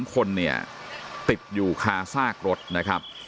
๓คนเนี่ยติดอยู่คาซากรถนะครับ